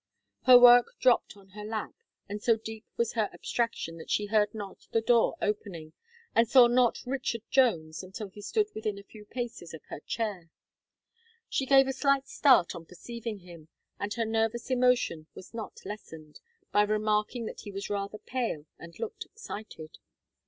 Her work dropt on her lap; and so deep was her abstraction, that she heard not the door opening, and saw not Richard Jones, until he stood within a few paces of her chair. She gave a slight start on perceiving him; and her nervous emotion was not lessened, by remarking that he was rather pale and looked excited.